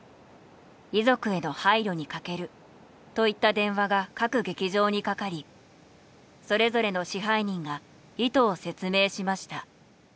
「遺族への配慮に欠ける」といった電話が各劇場にかかりそれぞれの支配人が意図を説明しました。